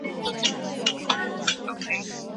她的父亲是广东茂名政协委员梁平。